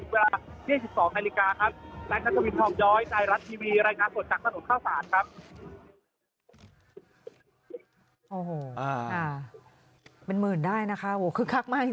ให้๑๐นะครับมากันได้นะครับที่สถานการณ์ทะวันเท้าสาน